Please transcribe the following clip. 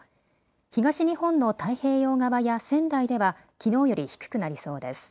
東日本の太平洋側や仙台ではきのうより低くなりそうです。